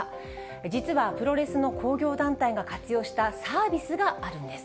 実はプロレスの興行団体が活用したサービスがあるんです。